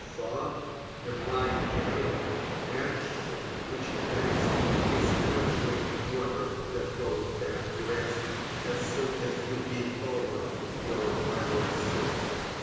Thought, a blind alley ; action, which at best Is cudgelling water that goes back to rest As soon as you give over your violences.